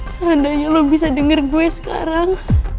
seandainya lo bisa dengar gue sekarang